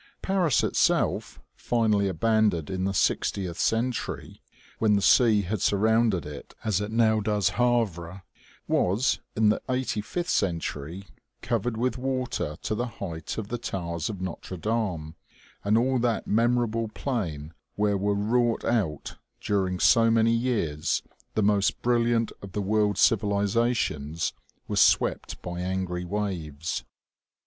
Paris itself, finally abandoned in the sixtieth century, when the sea had surrounded it as it now does Havre, was, in the eighty fifth century, covered with water to the height of the towers of Notre Dame, and all that memor able plain, where were wrought out, during so many years, the most brilliant of the world's civilizations, was swept by angry waves.